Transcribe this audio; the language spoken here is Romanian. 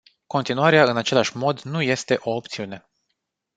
Continuarea în același mod nu este o opțiune.